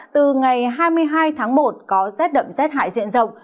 từ ngày hai mươi hai tháng một có rét đậm rét hại diện rộng